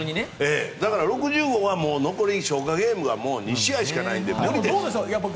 だから、６０号はもう消化ゲームが２試合しかないので。